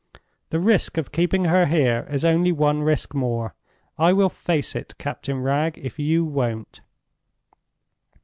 The risk of keeping her here is only one risk more. I will face it, Captain Wragge, if you won't."